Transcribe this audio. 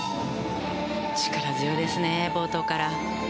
力強いですね、冒頭から。